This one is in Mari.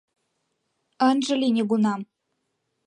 Ынже лий нигунам.